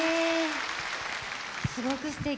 すごくすてき。